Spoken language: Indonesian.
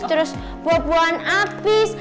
terus buah buahan habis